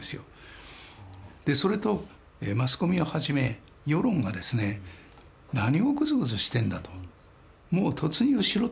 それとマスコミをはじめ世論がですね何をぐずぐずしてるんだと。